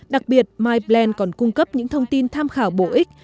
đặc biệt mipland còn cung cấp những thông tin tham khảo bổ ích